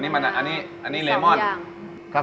มะลาโก